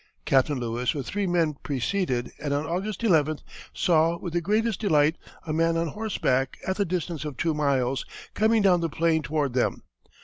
Captain Lewis with three men preceded, and on August 11, saw "with the greatest delight a man on horseback, at the distance of two miles, coming down the plain toward them.